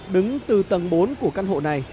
đứng từ tầng bốn của căn hộ này